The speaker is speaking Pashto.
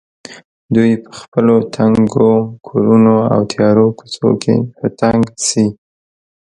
دوی په خپلو تنګو کورونو او تیارو کوڅو کې په تنګ شي.